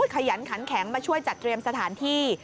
ขยันขันแข็งมาช่วยจัดเตรียมสถานที่